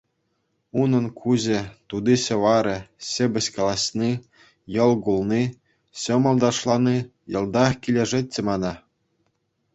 Унӑн куҫӗ, тути-ҫӑварӗ, ҫепӗҫ калаҫни, йӑл кулни, ҫӑмӑл ташлани — йӑлтах килӗшетчӗ мана.